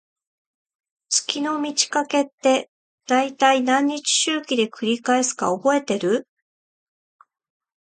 月の満ち欠けって、だいたい何日周期で繰り返すか覚えてる？